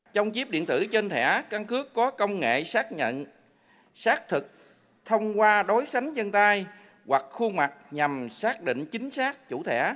trong chip điện tử trên thẻ căn cước có công nghệ xác nhận xác thực thông qua đối sánh dân tay hoặc khuôn mặt nhằm xác định chính xác chủ thẻ